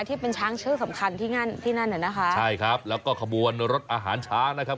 ที่เป็นช้างชื่อสำคัญที่นั่นที่นั่นน่ะนะคะใช่ครับแล้วก็ขบวนรถอาหารช้างนะครับ